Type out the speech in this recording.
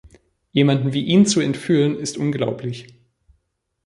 Jemanden wie ihn zu entführen ist unglaublich.